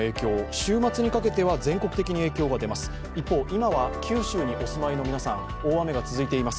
週末にかけては全国的に影響が出ます。